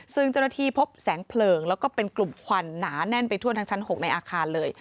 ซึ่งเจ้าหน้าที่พบแสงเพลิงแล้วก็เป็นกลุ่มควันหนาแน่นไปทั่วทั้งชั้น๖ในอาคารเลย